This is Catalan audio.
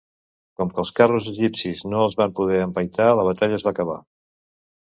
Com que els carros egipcis no els van poder empaitar la batalla es va acabar.